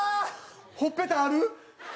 ほっぺたある？